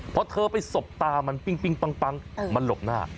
พอเธอไปสบตามันปิ้งปังมันหลบหน้า